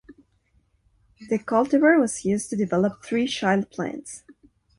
The cultivar was used to develop three child plants.